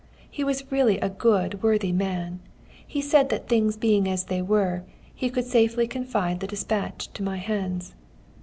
He was really a good, worthy man. He said that things being as they were, he could safely confide the despatch to my hands.